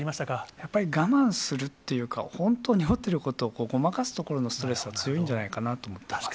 やっぱり我慢するっていうか、本当に思っていることを、ごまかすことのストレスが強いんじゃないかと思いました。